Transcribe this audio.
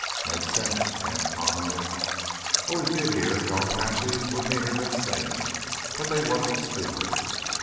"Makes sense," Anse commented. "Always did hear as how Apaches were meaner'n snakes but they wasn't stupid.